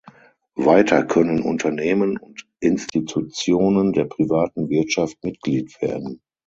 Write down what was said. Weiter können Unternehmen und Institutionen der privaten Wirtschaft Mitglied werden.